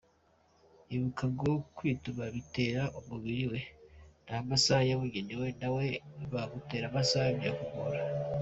Ibuka ko kwituma biterwa n’umubiri we, si amasaha yabugenewe nawe bagutegetse amasaha byakugora !.